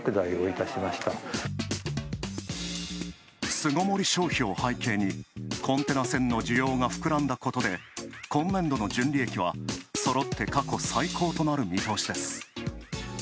巣ごもり消費を背景にコンテナ船の需要がふくらんだことで、今年度の純利益はそろって過去最高となる見通しです。